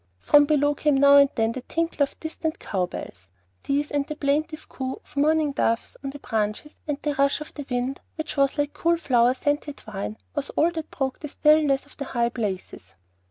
From below came now and again the tinkle of distant cow bells. These, and the plaintive coo of mourning doves in the branches, and the rush of the wind, which was like cool flower scented wine, was all that broke the stillness of the high places.